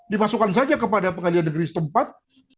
dimasukkan saja kepada pengadilan negeri setempat